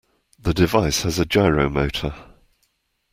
The device has a gyro motor.